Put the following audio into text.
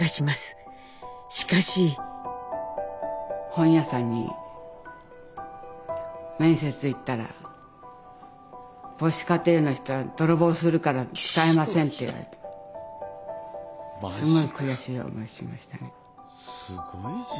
本屋さんに面接へ行ったら母子家庭の人は泥棒をするから使えませんって言われてすごい悔しい思いしましたね。